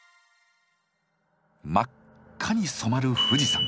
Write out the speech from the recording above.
真っ赤に染まる富士山。